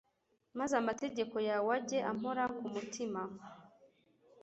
maze amategeko yawe ajye ampora ku mutima